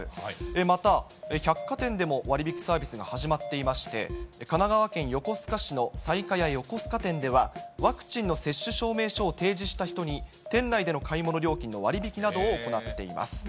また百貨店でも割り引きサービスが始まっていまして、神奈川県横須賀市のさいかや横須賀店では、ワクチンの接種証明書を提示した人に、店内での買い物料金の割引などを行っています。